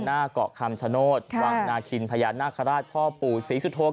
หน้าเกาะคำชโนธวังนาคินพญานาคาราชพ่อปู่ศรีสุโธ